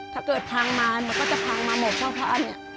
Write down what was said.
ถ้าเกิดพังมาหนูก็จะพังมาหมดเพราะพระเนี่ย